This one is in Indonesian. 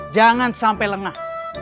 jangan sampai lengah